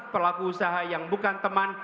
pelaku usaha yang bukan teman